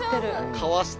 かわして？